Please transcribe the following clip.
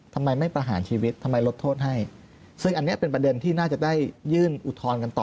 ทำไมไม่ประหารชีวิตทำไมลดโทษให้ซึ่งอันนี้เป็นประเด็นที่น่าจะได้ยื่นอุทธรณ์กันต่อ